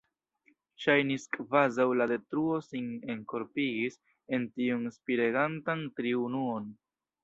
Ŝajnis, kvazaŭ la Detruo sin enkorpigis en tiun spiregantan triunuon.